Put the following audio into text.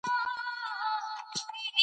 زموږ کلتور د پښتو ژبې سره تړلی دی.